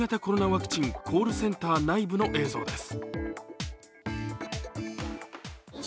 ワクチンコールセンター内部の映像です。